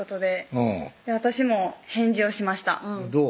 私も返事をしましたどう？